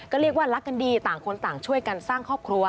ก็เรียกว่ารักกันดีต่างคนต่างช่วยกันสร้างครอบครัว